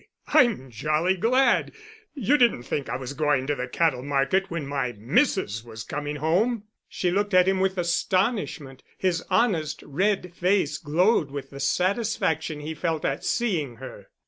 I'm jolly glad. You didn't think I was going to the cattle market when my missus was coming home?" She looked at him with astonishment; his honest, red face glowed with the satisfaction he felt at seeing her.